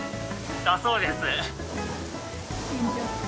だそうです。